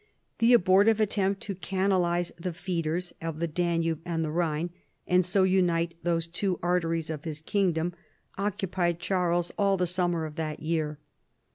The abortive attempt to canalize the feeders of the Danube and the Rhine, and so unite those two great arteries of his kingdom, occupied Charles all the summer of that year.